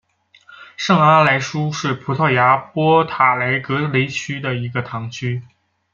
圣阿莱舒是葡萄牙波塔莱格雷区的一个堂区。